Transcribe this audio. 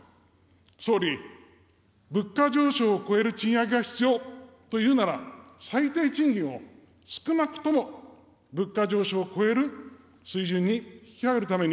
総理、物価上昇を超える賃上げが必要というなら、最低賃金を少なくとも物価上昇を超える水準に引き上げるために、